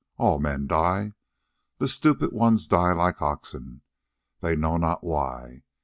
All men die. The stupid ones die like oxen, they know not why.